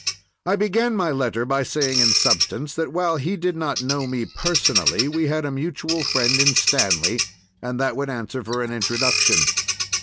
I began my letter by saying in substance that while he did not know me personally we had a mutual friend in Stanley, and that would answer for an introduction.